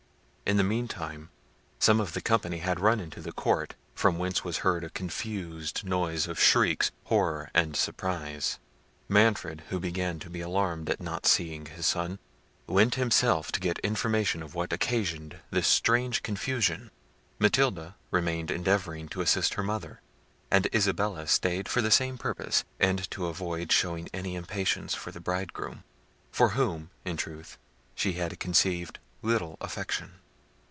In the meantime, some of the company had run into the court, from whence was heard a confused noise of shrieks, horror, and surprise. Manfred, who began to be alarmed at not seeing his son, went himself to get information of what occasioned this strange confusion. Matilda remained endeavouring to assist her mother, and Isabella stayed for the same purpose, and to avoid showing any impatience for the bridegroom, for whom, in truth, she had conceived little affection.